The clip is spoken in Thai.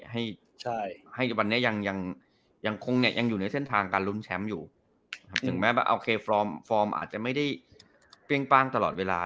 ให้วันนี้ยังอยู่ในเส้นทางการลุ้นแชมป์อยู่จึงแม้ว่าโฟร์มอาจจะไม่ได้เปรี้ยงปางตลอดเวลา